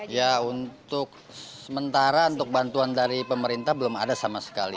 ya untuk sementara untuk bantuan dari pemerintah belum ada sama sekali